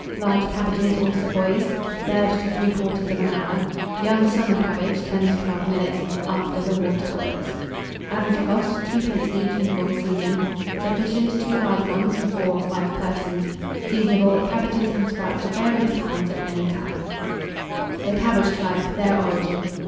Large cabbages, or savoys, 1/3 to 3/4 hour, young summer cabbage, 10 to 12 minutes, after the water boils. Average cost, 2d. each in full season. Sufficient, 2 large ones for 4 or 5 persons. Seasonable. Cabbages and sprouts of various kinds at any time. THE CABBAGE TRIBE: THEIR ORIGIN.